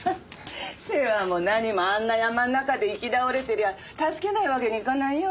世話も何もあんな山ん中で行き倒れてりゃ助けないわけにいかないよ。